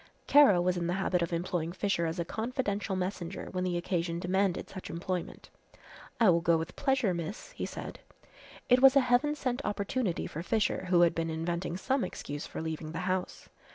Kara was in the habit of employing Fisher as a confidential messenger when the occasion demanded such employment. "I will go with pleasure, miss," he said. It was a heaven sent opportunity for Fisher, who had been inventing some excuse for leaving the house.